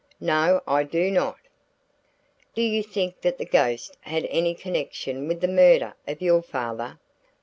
"No, I do not." "Do you think that the ghost had any connection with the murder of your father?"